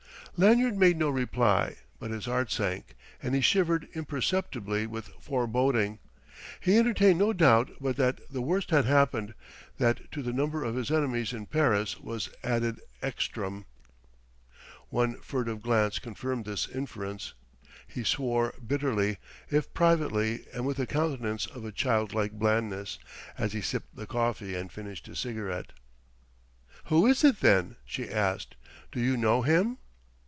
Lanyard made no reply; but his heart sank, and he shivered imperceptibly with foreboding. He entertained no doubt but that the worst had happened, that to the number of his enemies in Paris was added Ekstrom. One furtive glance confirmed this inference. He swore bitterly, if privately and with a countenance of child like blandness, as he sipped the coffee and finished his cigarette. "Who is it, then?" she asked. "Do you know him?"